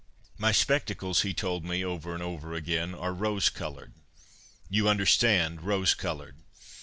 ' My spectacles,' he told me, over and over again, ' are rose coloured. You understand, rose coloured.